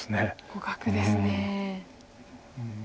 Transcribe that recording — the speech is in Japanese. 互角ですね。